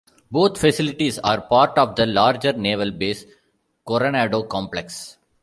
Both facilities are part of the larger Naval Base Coronado complex.